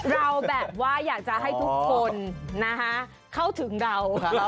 เราแบบว่าอยากจะให้ทุกคนนะคะเข้าถึงเรา